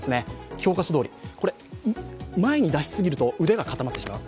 教科書どおり、これ、前に出しすぎると、腕が固まってしまう。